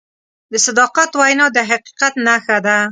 د صداقت وینا د حقیقت نښه ده.